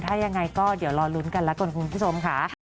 ถ้ายังไงก็เดี๋ยวรอลุ้นกันแล้วกันคุณผู้ชมค่ะ